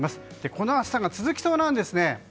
この暑さが続きそうなんですね。